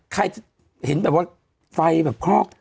ใครจะเห็นแบบว่าไฟแบบคอก